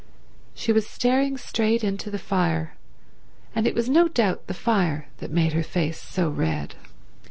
She was staring straight into the fire, and it was no doubt the fire that made her face so red.